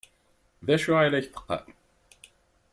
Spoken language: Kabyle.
D acu ay la teqqar?